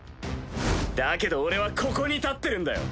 だけど俺はここに立ってるんだよ！